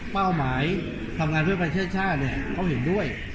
เป้าหมายทำงานด้วยภาครภาคชาติโภคเห็นด้วย